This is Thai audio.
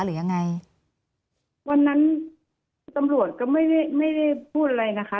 หรือยังไงวันนั้นตำรวจก็ไม่ได้ไม่ได้พูดอะไรนะคะ